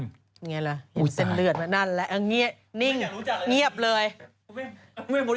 นี่ไงล่ะเห็นเส้นเลือดมานั่นแหละนิ่งเงียบเลย